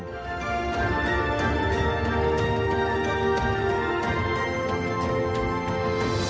โปรดติดตามตอนต่อไป